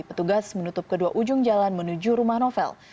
petugas menutup kedua ujung jalan menuju rumah novel